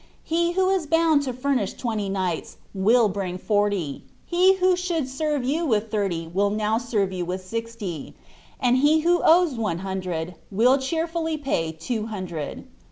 He who is bound to furnish twenty knights, will bring forty ; he who should serve you with thirty will now serve yon with sixty ; and he who owes one hundred, will cheerfoUy pay two hundred.'